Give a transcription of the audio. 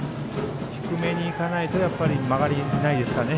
低めにいかないと曲がりがないですからね